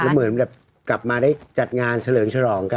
เหมือนแบบกลับมาได้จัดงานเฉลิมฉลองกัน